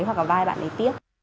hoặc là vai bạn ấy tiếp